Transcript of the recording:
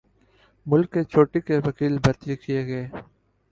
ملک کے چوٹی کے وکیل بھرتی کیے گئے۔